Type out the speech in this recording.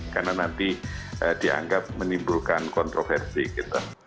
karena nanti dianggap menimbulkan kontroversi kita